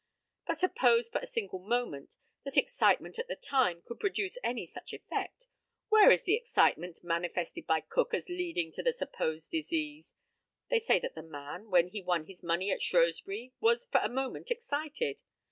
But, suppose for a single moment that excitement at the time could produce any such effect, where is the excitement manifested by Cook as leading to the supposed disease? They say that the man, when he won his money at Shrewsbury, was for a moment excited.